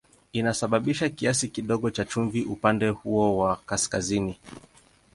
Inasababisha kiasi kidogo cha chumvi upande huo wa kaskazini.